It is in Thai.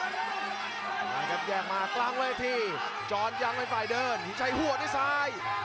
นะครับแย่งมากลางเวลาที่จรยังไม่ฝ่ายเดินใช้หัวด้วยซ้าย